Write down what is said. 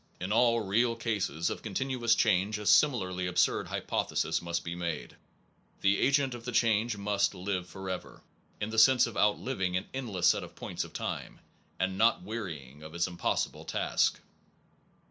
In all real cases of continuous change a similarly absurd hypothe sis must be made: the agent of the change must live forever, in the sense of outliving an endless set of points of time, and not wearying of his impossible task.